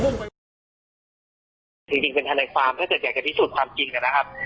จริงจริงเป็นทางแนกความถ้าเกิดอยากจะพิสูจน์ความจริงเนี้ยนะครับ